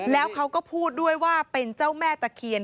แล้วเขาก็พูดด้วยว่าเป็นเจ้าแม่ตะเคียน